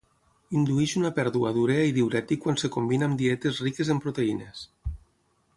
Indueix una pèrdua d'urea i diürètic quan es combina amb dietes riques en proteïnes.